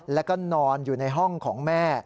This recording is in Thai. แล้วก็นอนอยู่ในห้องของแม่